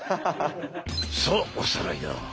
さあおさらいだ。